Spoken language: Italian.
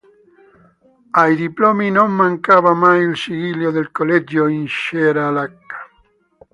Ai diplomi non mancava mai il sigillo del Collegio in ceralacca.